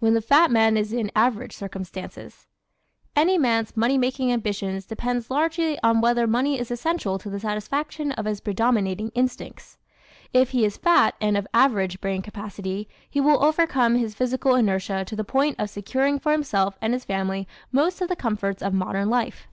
When the Fat Man is in Average Circumstances ¶ Any man's money making ambitions depend largely on whether money is essential to the satisfaction of his predominating instincts. If he is fat and of average brain capacity he will overcome his physical inertia to the point of securing for himself and his family most of the comforts of modern life.